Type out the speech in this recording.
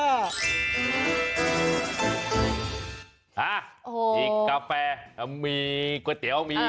อ่ะมีกาแฟมีก๋วยเตี๋ยวมี